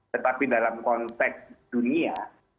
tetapi dalam konteks dunia